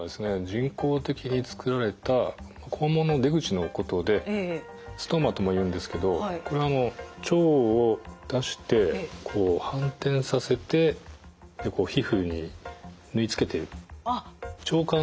人工的に作られた肛門の出口のことでストーマともいうんですけどこれあの腸を出して反転させて皮膚に縫い付けてる腸管そのものなんですね。